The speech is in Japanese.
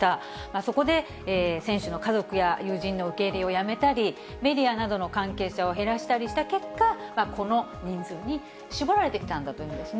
そこで、選手の家族や友人の受け入れをやめたり、メディアなどの関係者を減らしたりした結果、この人数に絞られてきたんだそうなんですね。